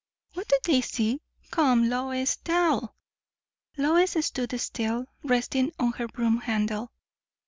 "What do they see? Come, Lois, tell." Lois stood still, resting on her broom handle.